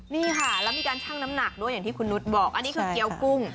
นี่ค่ะแล้วมีการชั่งน้ำหนักด้วยอย่างที่คุณนุษย์บอกอันนี้คือเกี้ยวกุ้ง